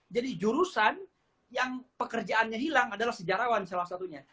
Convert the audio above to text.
jadi jurusan yang pekerjaannya hilang adalah sejarawan salah satunya